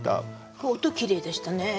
これ音きれいでしたね。